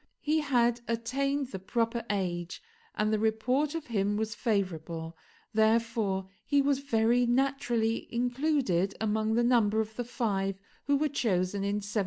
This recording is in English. He had attained the proper age, and the report of him was favourable, therefore he was very naturally included among the number of the five who were chosen in 1784.